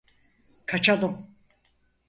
Kaçalım!